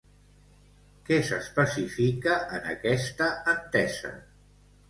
Què s'especifica en aquesta entesa?